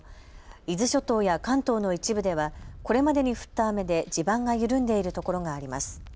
伊豆諸島や関東の一部ではこれまでに降った雨で地盤が緩んでいるところがあります。